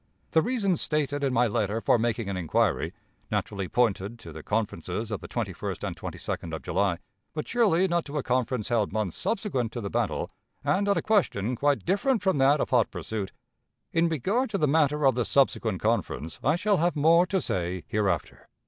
The reasons stated in my letter for making an inquiry, naturally pointed to the conferences of the 21st and 22d of July, but surely not to a conference held months subsequent to the battle, and on a question quite different from that of hot pursuit. In regard to the matter of this subsequent conference I shall have more to say hereafter.